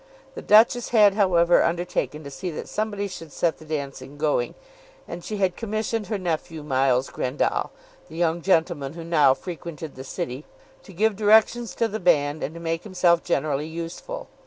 The Duchess had however undertaken to see that somebody should set the dancing going, and she had commissioned her nephew Miles Grendall, the young gentleman who now frequented the City, to give directions to the band and to make himself generally useful.